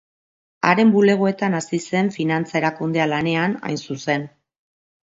Haren bulegoetan hasi zen finantza-erakundea lanean, hain zuzen.